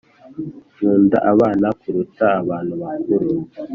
Nkunda abana kuruta abantu bakuru